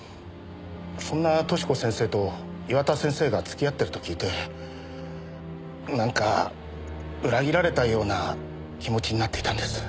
そんな寿子先生と岩田先生が付き合ってると聞いてなんか裏切られたような気持ちになっていたんです。